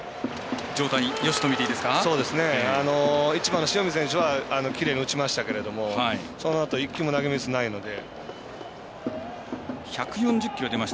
１番の塩見選手はきれいに落ちましたけどそのあと１球も投げミスないので。